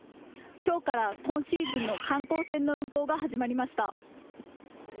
きょうから今シーズンの観光船の運航が始まりました。